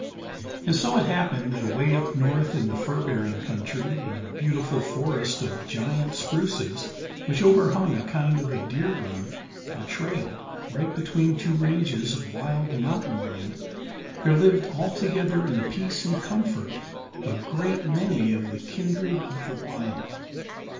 And so it happened that away up north in the fur bearing country, in a beautiful forest of giant spruces, which overhung a kind of a deer run, or trail, right between two ranges of wild mountain land, there lived altogether in peace and comfort a great many of the kindred of the wild.